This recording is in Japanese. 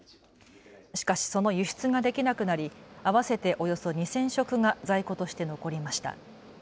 しかし、その輸出ができなくなり合わせておよそ２０００食が在庫として残りました。